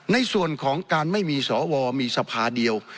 ในส่วนของการไม่มีสวมีสภาเดียว